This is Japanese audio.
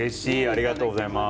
ありがとうございます。